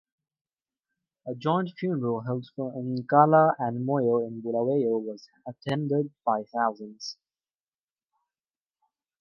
A joint funeral held for Nkala and Moyo in Bulawayo was attended by thousands.